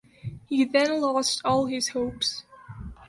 He then lost all his hopes.